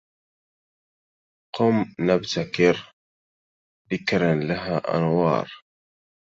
قم نبتكر بكرا لها أنوار